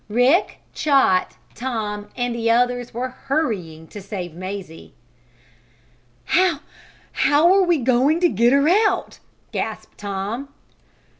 Rick, Chot, Tom and the others were hurrying to save Mazie. "How how we going to get her out?" gasped Tom.